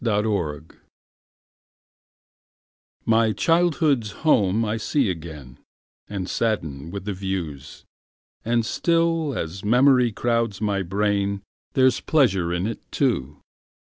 Y Z Memory MY childhood's home I see again, And sadden with the view; And still, as memory crowds my brain, There's pleasure in it, too.